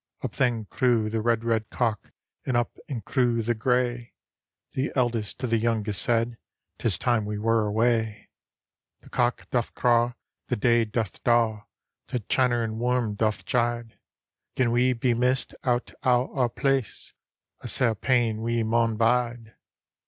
Up then crew the red, red cock, And up and crew the gray ; The eldest to the youngest said, " 'Tis time we were away. " The cock doth craw, the day doth daw. The channerin' worm doth chide; Gin we be miss'd out o' our place, A sair pain we maun bide."